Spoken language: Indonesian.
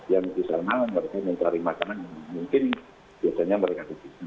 yang di sana mereka mencari makanan yang mungkin biasanya mereka dibikin